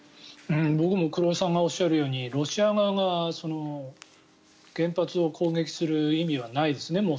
僕も黒井さんがおっしゃるようにロシア側が原発を攻撃する意味はないですよね。